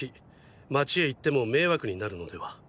街へ行っても迷惑になるのでは？